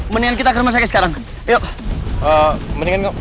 mendingan kita ke rumah sakit sekarang yuk mendingan